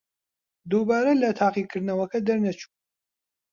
دووبارە لە تاقیکردنەوەکە دەرنەچوو.